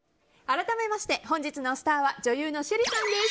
改めまして本日のスターは女優の趣里さんです。